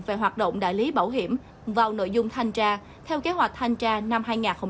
về hoạt động đại lý bảo hiểm vào nội dung thanh tra theo kế hoạch thanh tra năm hai nghìn hai mươi